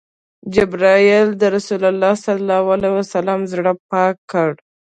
جبرئیل د رسول الله ﷺ زړه پاک کړ.